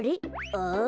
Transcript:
ああ。